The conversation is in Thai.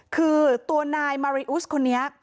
คือตัวนายมาริอุสคนนี้